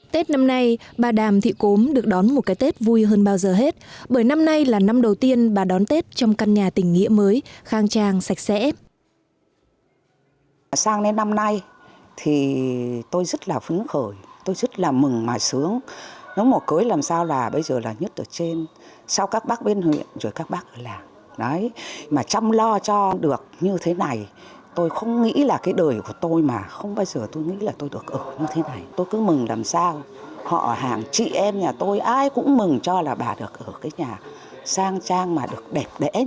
tết năm nay bà đàm thị cốm được đón một cái tết vui hơn bao giờ hết bởi năm nay là năm đầu tiên bà đón tết trong căn nhà tình nghĩa mới khang trang sạch sẽ